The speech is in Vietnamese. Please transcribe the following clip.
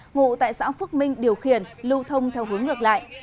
ngụ tại xã phước minh điều khiển lưu thông theo hướng ngược lại